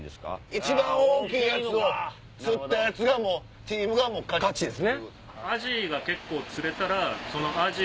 一番大きいやつを釣ったチームが勝ちです。